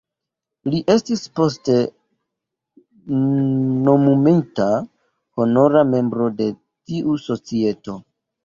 Li estis poste nomumita honora membro de tiu Societo.